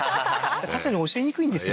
確かに教えにくいんですよ